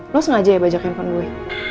lo sengaja ya bajak handphone gue